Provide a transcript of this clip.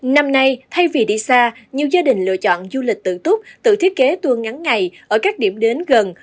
năm nay thay vì đi xa nhiều gia đình lựa chọn du lịch tự túc tự thiết kế tour ngắn ngày ở các điểm đến gần